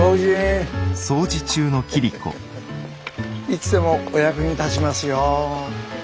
いつでもお役に立ちますよ。